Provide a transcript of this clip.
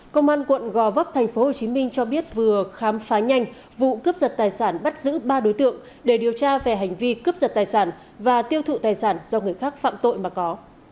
công an quận gò vấp tp hcm cho biết vừa khám phá nhanh vụ cướp giật tài sản bắt giữ ba đối tượng để điều tra về hành vi cướp giật tài sản và tiêu thụ tài sản do người khác phạm tội mà có